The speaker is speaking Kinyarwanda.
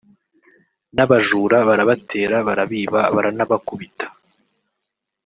n’abajura barabatera barabiba baranabakubita